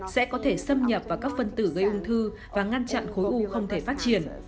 sẽ có thể xâm nhập vào các phân tử gây ung thư và ngăn chặn khối u không thường